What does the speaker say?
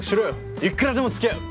いくらでも付き合う。